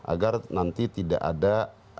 agar nanti tidak ada